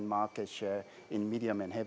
dalam kelembagaan sederhana dan berat